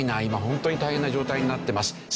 今本当に大変な状態になってます。